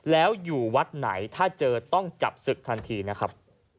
แล้วอยู่วัดไหนถ้าเจอต้องจับศึกทันทีนะครับ